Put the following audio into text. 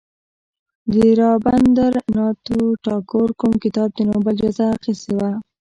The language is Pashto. د رابندر ناته ټاګور کوم کتاب د نوبل جایزه اخیستې وه.